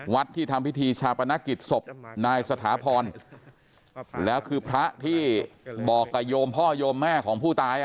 ที่ทำพิธีชาปนกิจศพนายสถาพรแล้วคือพระที่บอกกับโยมพ่อโยมแม่ของผู้ตาย